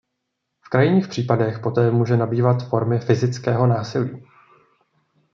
V krajních případech poté může nabývat formy fyzického násilí.